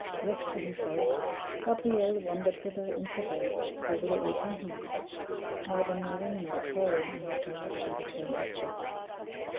Left to himself, Gabriel wandered hither and thither over the open heath, neither knowing nor caring in what direction he turned his steps.